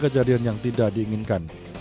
kejadian yang tidak diinginkan